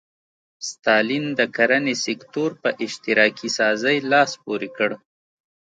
ستالین د کرنې سکتور په اشتراکي سازۍ لاس پورې کړ.